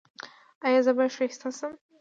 ایا زه به ښایسته شم؟